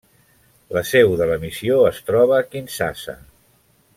La seu de la missió es troba a Kinshasa.